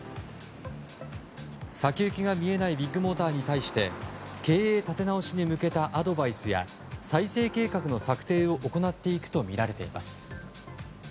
先行きが見えないビッグモーターに対して経営立て直しに向けたアドバイスや再生計画の策定を行っていくとみられています。